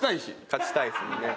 勝ちたいですもんね。